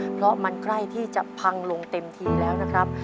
เพราะมันใกล้ที่จะพังลงเต็มทีแล้วนะครับ